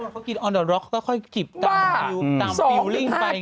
คนเขากินออนเดอร์ล็อคก็ค่อยกิบตามฟิวลิ่งไปไง